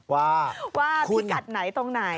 ว่าพิกัดไหนตรงไหน